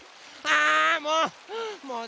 あもう！